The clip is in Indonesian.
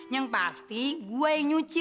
yang pasti gue yang nyuci